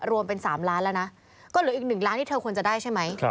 รวมเป็น๓ล้านแล้วนะก็เหลืออีก๑ล้านที่เธอควรจะได้ใช่ไหม